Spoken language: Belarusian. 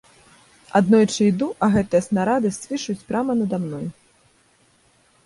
Аднойчы іду, а гэтыя снарады свішчуць прама нада мной.